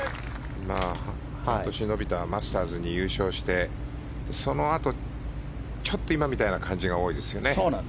半年延びたマスターズに優勝してそのあと今みたいな感じが多いですよね。